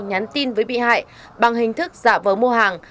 nhắn tin với bị hại bằng hình thức giả vờ mua hàng